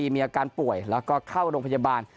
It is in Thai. มีอาการป่วยและเข้าลงพจบาล